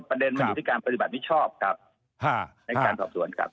ประเด็นมันอยู่ที่การปฏิบัติมิชอบครับในการสอบสวนครับ